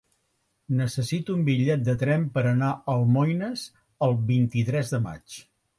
Necessito un bitllet de tren per anar a Almoines el vint-i-tres de maig.